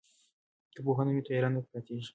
که پوهنه وي نو تیاره نه پاتیږي.